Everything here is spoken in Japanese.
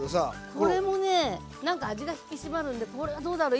これもね何か味が引き締まるんでこれはどうだろう？